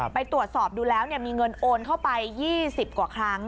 ไปตรวจสอบดูแล้วมีเงินโอนเข้าไป๒๐กว่าครั้ง